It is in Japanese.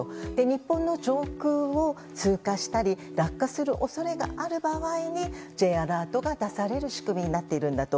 日本の上空を通過したり落下する恐れがある場合にＪアラートが出される仕組みになっているんだと